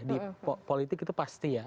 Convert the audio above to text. di politik itu pasti ya